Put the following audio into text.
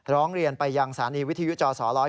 ร้องเรียนไปยังศาลีวิทยุจอสรร้อย